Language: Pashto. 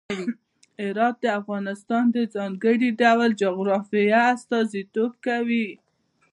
هرات د افغانستان د ځانګړي ډول جغرافیه استازیتوب کوي.